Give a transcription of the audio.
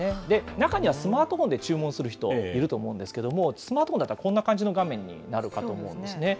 中には、スマートフォンで注文する人、いると思うんですけれども、スマートフォンだったらこんな感じの画面になるかと思うんですね。